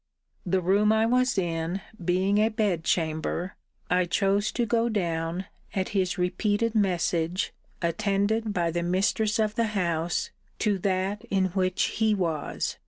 The room I was in being a bed chamber, I chose to go down, at his repeated message, attended by the mistress of the house, to that in which he was.